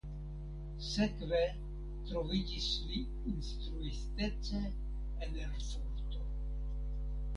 Sekve troviĝis li instruistece en Erfurto.